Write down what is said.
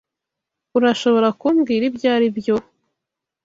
Urashobora kumbwira ibyo aribyo?